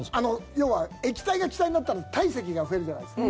要は液体が気体になったら体積が増えるじゃないですか。